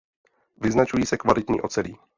Vyznačují se kvalitní ocelí.